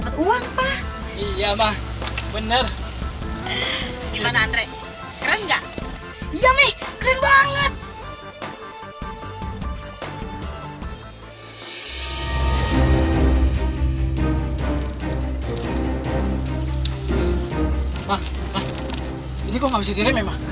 pak pak ini kok gak bisa diremeh ma